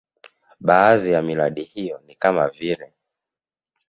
Baadhi ya miradi hiyo ni kama vile